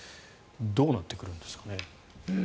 どうなってくるんですかね？